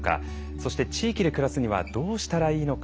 そして地域で暮らすにはどうしたらいいのか。